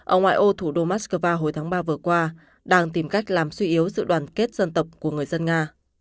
ở ngoại ô thủ đô moscow hồi tháng ba vừa qua đang tìm cách làm suy yếu sự đoàn kết dân tộc của người dân nga